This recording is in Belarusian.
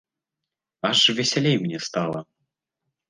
Аж весялей мне стала.